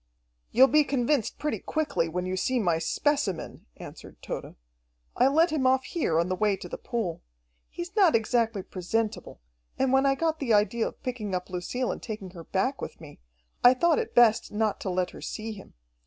"You'll be convinced pretty quickly, when you see my specimen," answered Tode. "I let him off here on the way to the pool. He's not exactly presentable, and when I got the idea of picking up Lucille and taking her back with me, I thought it best not to let her see him.